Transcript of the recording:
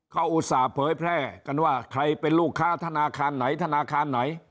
เขาอุตส่าห์เผยแพร่กันว่าใครเป็นลูกค้าธนาคารไหนธนาคารไหน